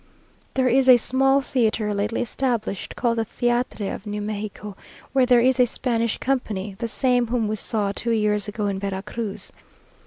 There is a small theatre lately established, called the Theatre of New Mexico, where there is a Spanish company, the same whom we saw two years ago in Vera Cruz.